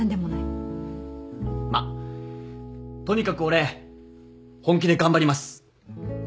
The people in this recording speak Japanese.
まっとにかく俺本気で頑張ります。